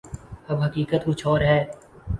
اب حقیقت کچھ اور ہے۔